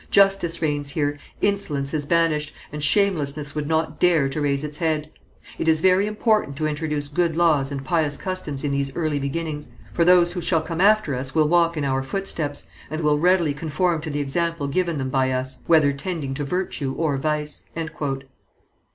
Justice reigns here, insolence is banished, and shamelessness would not dare to raise its head.... It is very important to introduce good laws and pious customs in these early beginnings, for those who shall come after us will walk in our footsteps, and will readily conform to the example given them by us, whether tending to virtue or vice."